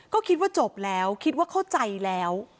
ก็คิดว่าจบแล้วคิดว่าเข้าใจแล้ว